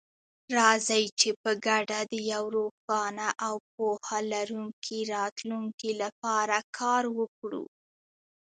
راځئ چې په ګډه د یو روښانه او پوهه لرونکي راتلونکي لپاره کار وکړو.